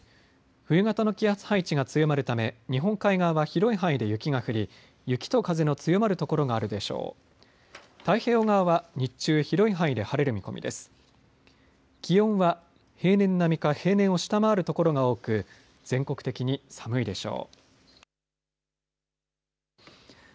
冬型の気圧配置が強まるため日本海側は広い範囲で雪が降り雪と風の強まる所があるでしょう。